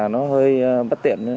nó hơi bất tiện